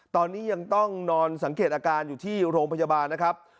ตอนนี้ยังต้องนอนสังเกตอาการอยู่ที่โรงพยาบาลนะครับ